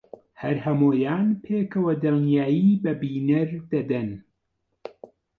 هەر هەموویان پێکەوە دڵنیایی بە بینەر دەدەن